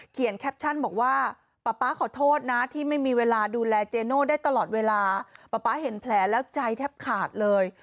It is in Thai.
แคปชั่นบอกว่าป๊าป๊าขอโทษนะที่ไม่มีเวลาดูแลเจโน่ได้ตลอดเวลาป๊าป๊าเห็นแผลแล้วใจแทบขาดเลย